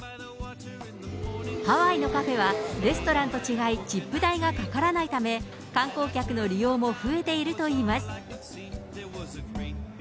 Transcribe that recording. ハワイのカフェは、レストランと違いチップ代がかからないため、観光客の利用も増えているといいます。